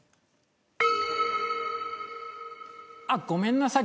あっごめんなさい。